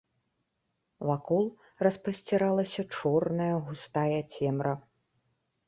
Вакол распасціралася чорная, густая цемра.